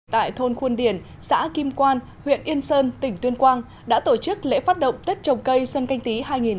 tại thôn khuôn điển xã kim quan huyện yên sơn tỉnh tuyên quang đã tổ chức lễ phát động tết trồng cây xuân canh tí hai nghìn hai mươi